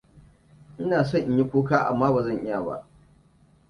Ina so in yi kuka, amma ba zan iya ba.